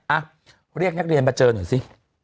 อ่ะเรียกนักเรียนมาเจอหน่อยสิ